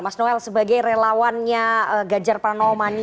mas noel sebagai relawannya gajar partai